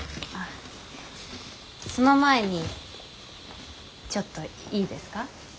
あっその前にちょっといいですか？